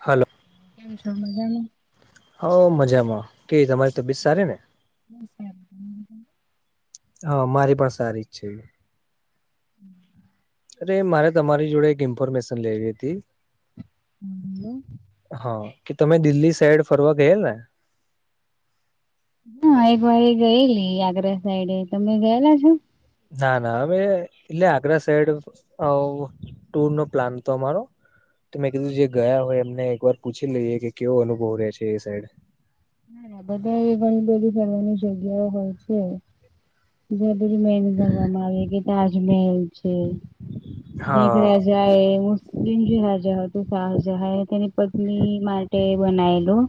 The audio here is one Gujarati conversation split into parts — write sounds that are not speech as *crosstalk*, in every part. હાલો કેમ છો મજામાં હોવ મજામાં કેવી તમારી તબિયત સારી ને. બસ સારું. તમે હોવ અમારી પણ સારી જ છે. હમ અરે મારે તમારી જોડે એક ઇન્ફોર્મેશન લેવી હતી હા બોલો હા કે તમે દિલ્હી સાઈડ ફરવા ગયેલા? હા એક વાર ગયેલી આગ્રા સાઈડે તમે ગયેલા છો? ના ના હવે એટલે આગ્રા સાઈડ ઓવ ટુર નો પ્લાન તો અમારો તો મેં કીધું જે ગયા હોય એમને એક વાર પૂછી લઈએ કે કેવો અનુભવ રહે છે એ સાઈડ બધા એ ઘણી બધી ફરવાની જગ્યાઓ પણ છે. *unintelligible* ગણવામાં આવે કે તાજમહેલ છે હા જેગરાજ રાજા એ મુસ્લિમ જે રાજા હતું શાહજહાં એ તેની પત્ની માટે બનાયેલું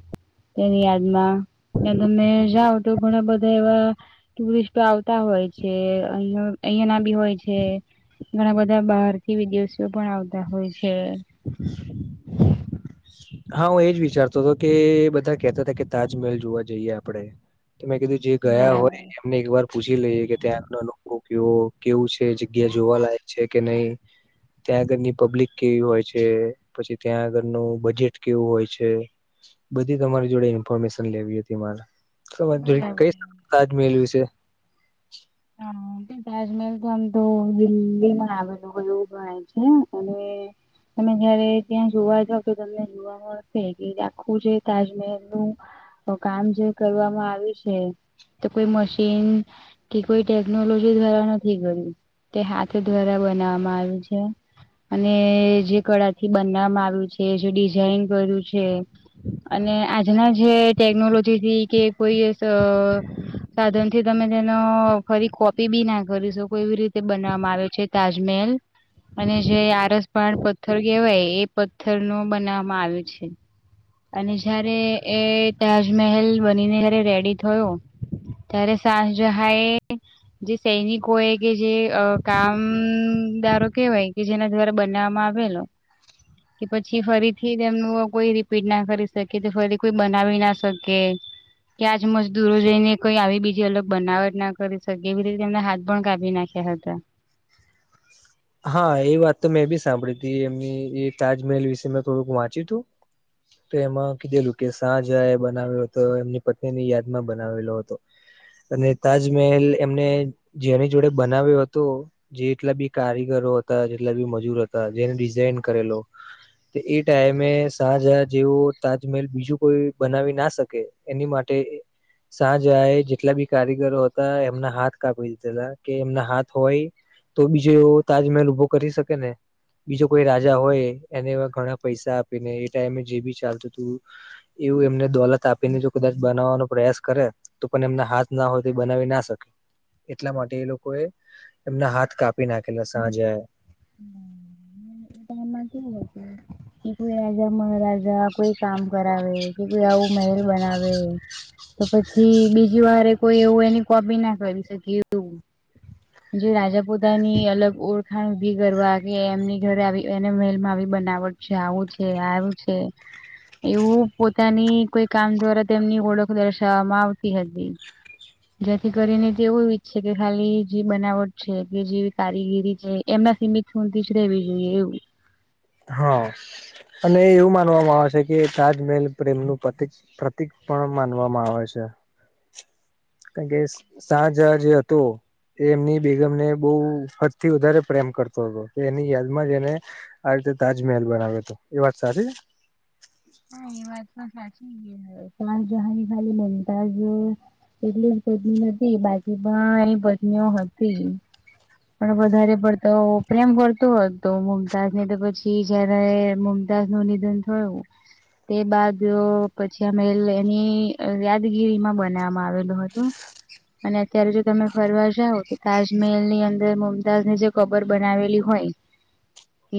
તેની યાદમાં ત્યાં તમે જાાવ તો ઘણા બધા એવા ટુરિસ્ટો આવતા હોય છે અહ અહિયાં ના બી હોય છે. ઘણા બધા બહાર થી વિદેશીઓ પણ આવતા હોય છે. હા હું એજ વિચારતો હતો કે બધા કેતા હતા કે તાજમહેલ જોવા જઈએ આપણે તો મેં કીધું જે ગયા હોય બરાબર એને *unintelligible* ને એક વાર પૂછી લઈએ કે ત્યાંના લોકો કેવ કેવું છે જગ્યા જોવાલાયક છે કે નય ત્યાં આગળની પબ્લિક કેવી હોય છે પછી ત્યાં આગળનું બજેટ કેવું હોય છે બધી તમારી જોડે ઇન્ફોર્મેશન લેવી હતી મારે ખબર છે બરાબર. કઈ તાજમહેલ વિશે હા તે તાજમહેલ તો આમ તો દિલ્હી માં આવેલું હોય એવું ગણ છે અને. તમે જયારે ત્યાં જોવા જાવ તો તમને જોવા મળશે કે આખું જે તાજમહેલ નું તો કામ જે કરવામાં આવ્યું છે તો કોઈ મશીન કે કોઈ ટેકનોલોજી દ્વારા નથી કર્યું તે હાથ દ્વારા બનાવવામાં આવ્યું છે. અને જે કળાથી બનાવામાં આવ્યું છે જે ડિઝાઇન કર્યું છે અને આજના જે ટેકનોલોજી થી કે કોઈ સર સાધન થી તમે તે ફરી કોપી બી ના કરી શકો એવી રીતે બનાવામાં આવે છે તાજમહેલ અને જે આરસપાણ પથ્થર કહેવાય એ પથ્થર ન બનાવવામાં આવ્યું છે અને જયારે એ તાજમહેલ બનીને રેડી થયો ત્યારે શાહજહાં એ જે સૈનિકો એ કે જે કામદારો કેહેવાય કે જેના દ્વારા બનાવવામાં આવે. બલો. કે પછી ફરીથી તેમ એનું કોઈ રીપીટ ના કરી શકે કે ફરી કોઈ બનાવી ના શકે. ત્યાંજ મજદૂરો જઈ ને કોઈ આવી બીજી અલગ. બનાવટ ના કરી શકે એવી રીતે તેમને હાથ પણ કાપી નાખ્યા હતા. હા એ વાત તો મેં એ બી સાંભળી હતી એમની એ તાજમહેલ વિશે મેં થોડુંક વાંચ્યું હતું. તો એમાં કીધેલું કે શાહજા એ બનાવ્યો હતો એમની પત્ની ની યાદમાં બનાવેલો હતો. અને તાજમહેલ એમને જેની જોડે બનાવ્યો હતો જે એટલા બી. કારીગરો હતા જેટલા બી મજૂર હતા જેને ડિઝઇન કરેલો. તો એ ટાઈમે શાહજહ જેવો તાજમહેલ બીજું કોઈ બનાવી ના શકે. એની માટે. સાાજ એ જેટલા બી કારીગરો હતા એમના હાથ કાપી દીધા હતા કે એમના હાથ હોય. તો બીજો એવો તાજમહેલ ઉભો કરી શકે ને. બીજો કોઈ રાજા હોય એને એ ઘણા પૈસા આપી ને એ ટાઈમે જે બી ચાલતું હતું. એવું એમને દોલત આપીને જો કદાચ બનાવવાનો પ્રયાસ કરે. તો પણ એમના હાથ ના હોય તે બનાવી ના શકે એટલા માટે એ લોકો એ એમના હાથ કાપી. પી નાખલા સાજે. હમ. એ કોઈ મહાર. જ કોઈ કામ કરાવે કે કોઈ આવું મહેલ બનાવે. તો પછી બીજ વારે કોઈ એવું એની કોપી ના કરી શકી એું. જે રાજા પોતાની અલગ ઓળખાણ ઉઊભી કરવા કે એમની ઘરે આવી. મેલમાં આવી બનાવટ છે આવું છે આવું છે. એવું પોતાની કોઈ કામ દ્વારા તેમની ઓળખ દર્શાવવામાં આવતી હતી. જેથી કરીને તે એવું ઈચ્છ છે કે ખાલી જે બનાવટ છે કે જે કારીગીરી છે એમના સીમિત. શોધી જ રહેવી જોઈએ એવું. હા અને એવું માનવામાં આવે છે કે તાજમહેલ પ્રેમનું પ્રતિક. પ્રતિક પણ માનવામાં આવે છે. કારણ કે સાજ જે હતું. એ એમની બેગમને બહુ ફદ થી વધારે પ્રેમ કરતો હતો એની યાદમાં જ એને. આવી રીતે તાજમહેલ બનાવે્યો હતો એ વાત સારી. હા એ વાત પણ સાચી શાલ જહાની ખાલી બનતા જ. એટલીટલી નથી બાકી પણ એ પત્નીઓ હતી. પણ વધારે પડતોેમ કરતો હોત તો મુમતાજ ને તો પછી જય્યારે. ાસ નું નિધન થયું. તે બાદ પછી અમે એની યાદગીરીમાં બનાવવામાં આવેલું હતું. અને અત્યારે જો તમે ફરવા જાાવ તો તાજમહેલ ની અંદર મુમતાજની જે. કબર બનાવેલી હોય.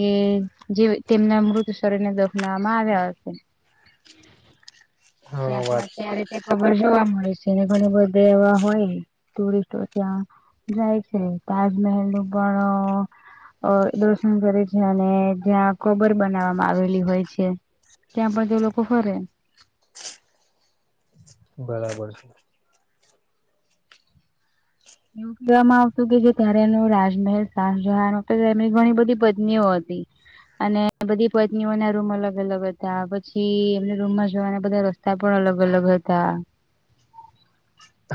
એ જે તેમના મૃત શરીરને દફનાવવામાં આવ્યા હશે. હા ત્યાડ વાત અત્યારે તે કબર જોવા મળે છે. એને ઘણી બધા એવા હોય ટુરિસ્ટો ત્યાં. જાય છે તાજમહેલલનું પણ. અ દર્શન કરે છે અને જ્યાં કબર બનાવવામાં આવેલી હોય છે. ત્યાં બધે લોકોક ફરે. બરાબર છે. એવું કહેવામાં આવતું કે જે ત્યારે ન રાજમહેલ શાહજહ ઘણી બધી પત્નીઓ હતી. અને બધી પત્નીઓને રૂમ અલગ અલગ હતા પછી એમને રૂમમાં જવાને બધા રસ્તા. તા પણ અલગ અલગ હતા.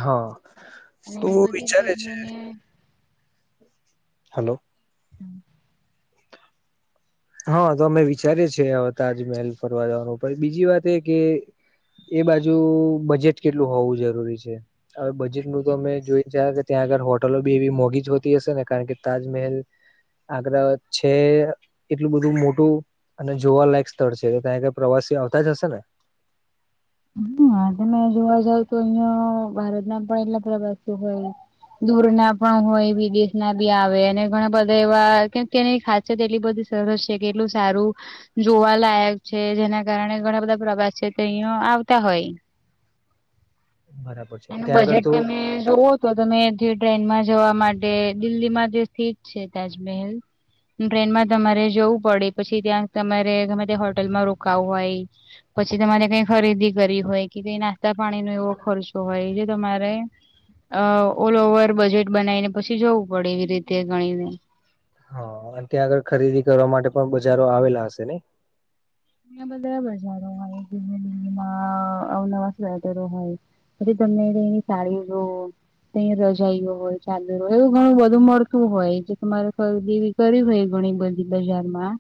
હા. અને એને તો બધી જ વિચારે છે. બધલી ને *inaudible* હલો. હમ *unintelligible* હા તો અમે વિચારીએ છીએ આ તાજમહેલ ફરવા જવાનું પણ બીજી વાત એ કે. એ બાજુ બજેટ કેટલું હોવું જરૂરી છે. હવે બજેટ નુ તો અમે જોઈ છે કે ત્યાં આગળ હોટલો બી એવી મોંઘી જ હોતી હશે ને કારણ કે તાજમહેલ. આગરા છે. એટલું બધું મોટું અને જોવાલાયક સ્થળ છે ત્યાં ઈ પ્રવાસી આવતા જ હશે ને. હ તમે જોવા જાવ તો અહિયાં ભારત ના પણ એટલા પ્રવાસીયો હોય. દૂર ના પણ હોય વિદેશ ના બી આવે અને ઘણા બધા એવા કેમ કે. છે એટલી બધું સરસ છે કે એટલું સારું. જોવા લાયક છે જેના કારણે ઘણા બધા પ્રવાસે છે અહી આવ. તે હોય બરાબર છે એનું ત્યાં આગળ બજેટ તો તમે જોવો. તો તમે જે ટ્રેનમાં જવા માટે દિલ્હીમાં જે સીટ છે તાજમહેલ. ટ્રેનમાં તમારે જવું પડે પછી ત્યાં તમારે ગમે ત્યાં હોટેલમાં રોકાવું હોય. પછી તમારે કઈ ખરીદી. કરી હોય કે કઈ નાસ્તા પાણી નો એવો ખર્ચો હોય જે તમારે. અ ઓલ ઓવર બજેટ બનાવી ને પછી જવું પડે એવી રીતે ગણીને. હા ત્યાં આગળ ખરીદી કરવા માટે પણ બજારો આવેલા હશે ને. અ બધા બજારો હોય ધીમેમાં અવનવાટરો હોય બ દમ ર સાડીીું *inaudible* ત‌ઇ રજાયુ હોય ચાદરો હોય એવું ઘણું બધું મળતું હોય જે તમારે પાસ દેવી. કરી હોય ઘણી બધી બજારમાં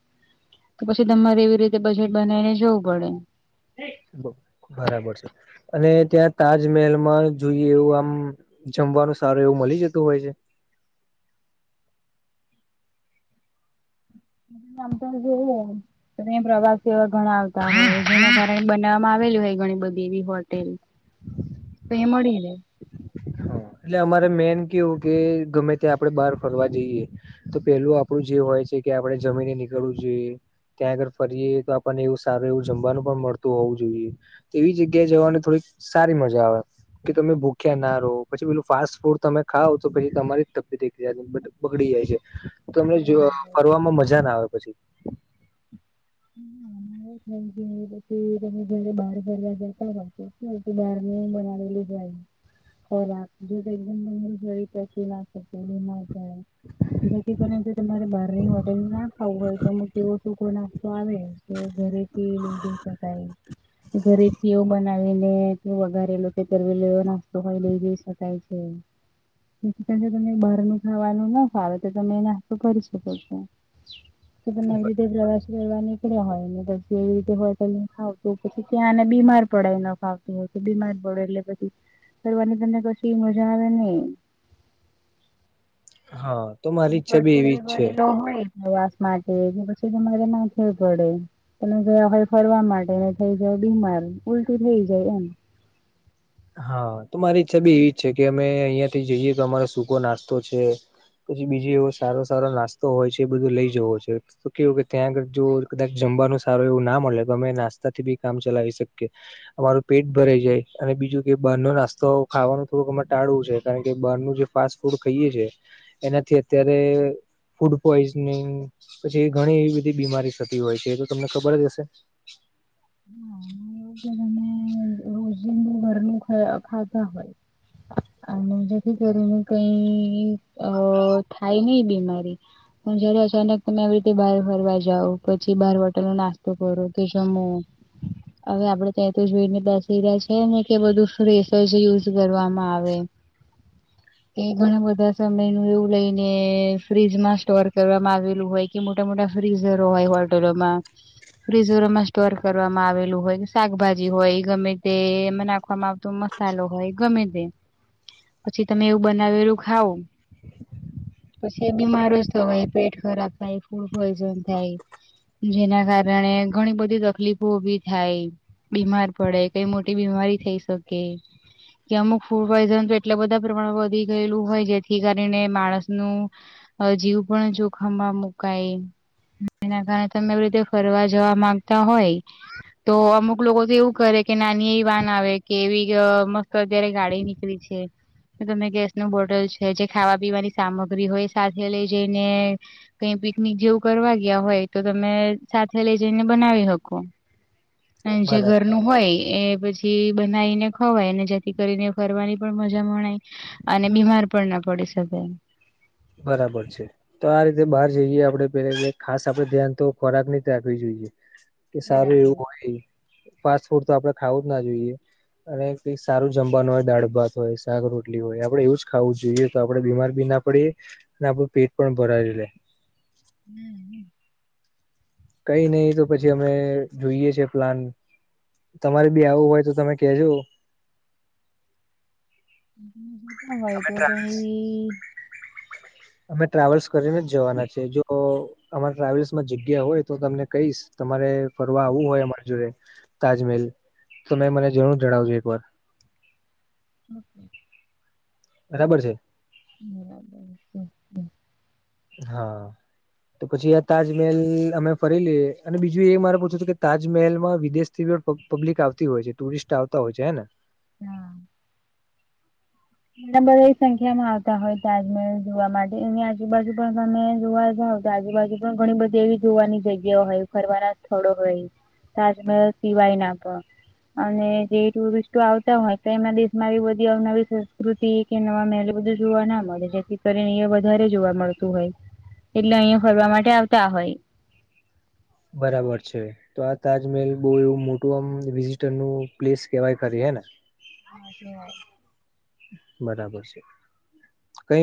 તો પછી તમારે એવી રીત. તે બજેટ બનાવીને જવું પડે. બરાબર છે અને ત્યાં તાજમહેલમાં જોઈએ એવું આમ. જમવાનું સારું એવું મલી જતું હોય છે. આમ તો જવન ત પ્રવાસ એવા ઘણા આવતા હોય કાર બનાવવામાં આવેલી હોય ઘણી બધી એવી હોટેલ. તે મળી રે. હા એટલે અમારે મેન કેવું કે ગમે ત્યા આપડે બહાર ફરવા જઈએ. તો પેલું આપડું જે હોય છે કે આપડે જમીને નીકળવું જોઈએ ત્યાં આગળ ફરીએ તો આપણને એવું સારું એવું જમવાનું પણ મળતું હોવું જોઈએ. એવી જગ્યાએ જવાની થોડીક સારી મજા આવે કે તમે ભૂ. કે નારો પછી પેલું ફાસ્ટ ફૂડ તમે ખાવ તો પછી તમારી તબિયત બગડી જાય છે. તમે જો ફરવામાં મજા ના આવે પછી. *unintelligible* મ પછી તમે જયારે બહાર ફરવા જતા હોશો બહાર ને બનાવેલું્ ખોરાક દધ એકદમ મછ *inaudible* જેથી કરીને તમારે બહારની હોટેલ ના ખાવું હોય તો અમુક એવો. સુખો નાખતો આવે કે ઘરેથી લ‌ઇ જ‌ઇ શકાય‌. ઘરેથી એવું બનાવી ને વઘારેલો કે કરવેલો એવો નાસ્તો હોય લઈ જોઈ શકાય છે. *unintelligible* તમે મને બારનું ખાવાનું ના ફાવે તો તમે એ નાસ્તો કરી શકો છો. *unintelligible* તો તમારે લીઘે પ્રવાસ. વા નીકળ્યા હોય ને પછી એવી રીતે હો ખાવતું પછી ત્યાંને બીમાર પડે ન ખાવત- તો બિમાર પડો એટલે પછી ફરવા ની તમને પછી મજા આવે ન‌ઇ. હા તો મારી ઈચ્છા બી એવી જ છે. હ હોય *inaudible* પ્રવાસ માટે કે પછી તમારે ના થું પડે તમે ગયા હોય ફરવા માટે ને થઈ જાય બીમાર ઉલટી થઇ જાય એમ હા તો મારી ઈચ્છા બી એવી છે કે અમે અઇયાં થી જઈએ તો અમારો સૂકો નાસ્તો છે. પછી બીજી એવો સારો સારો નાસ્તો હોય છે એ બધો લઈ જવો છે. તો કેવું કે ત્યાં આગળ જો કદાચ જમવાનું સારું એવું ના મલે તો અમે નાસ્તાથી બી કામ ચલાવી શકીએ. અમારું પેટ ભરાઈ જાય અને બીજુંત. એ બારનો નાસ્તો ખાવાનું થોડુંક અમાર ટાળવું છે. કારણ કે બારનું જે ફાસ્ટ ફૂડ ખઈએ છે. એનાથી અત્યારે- ફૂડ પોઈઝનિંગ પછી એ ઘણી એવી બધી બીમારી થતી હોય છે. એ તો તમને ખબર જ હશે- હા અને એવું હું ખ ખાતા હોય- *unintelligible* અને જેથી કરીને કઈ અ થાય નઈ બીમારી- હું જયારે અચાનક તમે આવી રીતે બાર ફરવા જાવ પછી બાર હોટેલ નો નાસ્તો કરો કે જમો- અવે આપડે તય તો જોઈને દાસી રહ્યા છે. ને- કે બધું ફ્રેસ જ યુઝ કરવામાં આવે- *inaudible* એ ઘણા બધા સમય નું એવું લઈનેએ ફ્રીજમાં સ્ટોર કરવામાં આવેલું હોય. કે મોટા મોટા ફ્રીઝરો હોય હોટલોમાં- ફ્રીઝરોમાં સ્ટોર કરવામાં આવેલું હોય ક શાકભાજી હોય ગમે તે એમાં નાખું- વામાં આવતો મસાલો હોય ગમે તેે પછી તમે એવું બનાવેલું ખાવ- પછી એ બીમારો જ થવાય પેટ ખરાબ થાય ફૂડ પોઈઝન થાય. જેના કારણે ઘણી બધી તકલીફો ઊભી થાય. બીમાર પડે કઈ મોટી બીમારી થઈ શકે. કે અમુક ફૂડ પોઈઝન તો એટલે બધા પ્રમાણમાં વધી ગયેલું હોય જેથી કરીને માણસનુ. હ જીવ પણ જોખમમાં મુકાય- એના કારણે તમે એવી રીતે ફરવા જવા માંગતા હોય. તો અમુક લોકો તો એવું કરે કે નાની એ વાન આવે- કેવી અ મસ્ત અત્યારે ગાડી નીકળી છે. તમે ગેસ નું બોટલ છે જે ખાવા પીવાની સામગ્રી હોય એ સાથે લઈ જઈને- કંઈ પિકનિક જેવું કરવા ગીયા હોય તો તમે સાથે લઈ જઈને બનાવી હકો- અન જે બરાબર ઘરનું હોય એ પછી- બનાવી ને ખવાય ને જેથી કરીને ફરવાની પણ મઝા મણાય- અને બીમાર પણ ના પડી શકે- બરાબર છે. તો આ રીતે બાર જઈએ આપડે પેલે ત ખાસ આપડે ધ્યાન તો ખોરાક નીત રાખવી જોઈએ. કે સારું એવું હોય ફાસ્ટ ફૂડ તો આપડે ખાવું જ ના જોઈએ. અને કઈ સારું જમવાનું હોય દાળ ભાત હોય શાક રોટલી હોય આપડે એવું જ ખાવું જોઈએ. તો આપડે બીમાર બી ના પડીએ અને આપડું પેટ પણ ભરાયલુ રે- *inaudible* કઈ નહીિ તો પછી અમે જોઈએ છે પ્લાન તમારે બી આવું હોય તો તમે કેજો- તા હોય અમે તો ટ્રાવેલ્સ કઈ- અમે ટ્રાવેલ્સ કરીને જ જવાના છે જો અ- અમારા ટ્રાવેલ્સમાં જગ્યા હોય તો તમને કઈશ. તમારે ફરવા આવવું હોય અમારી જોડે- તાજમેલ તમે મને જરૂર જણાવજો એક વાર *inaudible* બરાબર છે. *inaudible* હા- તો પછી આ તાજમેલ અમે ફરી લીઈએ અને બીજું એ મારે પૂછવું તું કે તાજમહેલમાં વિદેશ- થીપ પબ્લિક આવતી હોય છે ટુરિસ્ટ આવતા હોય છે હેને- ના *unintelligible* બધાય સંખ્યામાં આવતા હોય તાજમહેલ જોવા માટે એની આજુબાજુ પણ તમે જોવા જાવ ત આજુબાજુ પણ ઘણી બધી એવી જોવાની જગ્યાઓ હોય ફરવાના સ્થળો હોય તાજમહેલ સિવાય ના પણ અને જે ટુરિસ્ટો આવતા હોય તો તેમના દેશમાં બધી અવનવી કૃતિ કે નવા મેહેલ બધું જોવા ના મળે જેથી કરીને એ વધારે જોવા મળતું હોય એટલે અહિયાં ફરવા માટે આવતા હોય બરાબર છે તો આ તાજમહેલ બહ એવું મોટું આમ વિઝિટર ન પ્લેસ કેવાય ખરી હેને હા કેવાય બરાબર છે કઈ